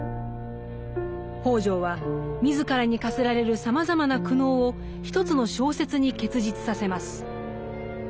北條は自らに課せられるさまざまな苦悩を一つの小説に結実させます。